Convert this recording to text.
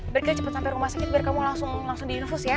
biar kita cepet sampe rumah sakit biar kamu langsung diinfus ya